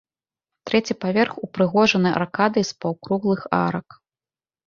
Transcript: Трэці паверх упрыгожаны аркадай з паўкруглых арак.